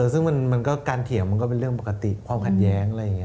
ซึ่งการเถียงก็เป็นเรื่องปกติความขัดแย้ง